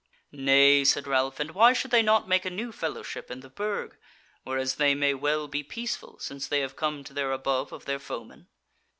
"Nay," said Ralph, "and why should they not make a new fellowship in the Burg, whereas they may well be peaceful, since they have come to their above of their foemen?"